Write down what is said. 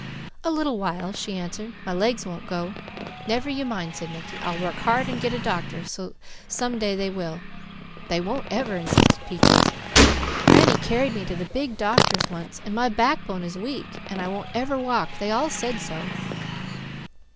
"A little while," she answered. "My legs won't go." "Never you mind," said Mickey. "I'll work hard and get a doctor, so some day they will." "They won't ever," insisted Peaches. "Granny carried me to the big doctors once, an' my backbone is weak, an' I won't ever walk, they all said so."